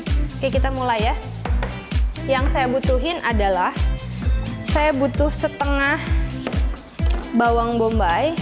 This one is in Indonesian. oke kita mulai ya yang saya butuhin adalah saya butuh setengah bawang bombay